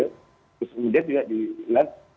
terus kemudian juga dilihat